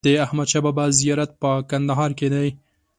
د احمد شا بابا زیارت په کندهار کی دی